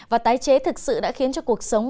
và tái chế thực sự đã khiến cho cuộc sống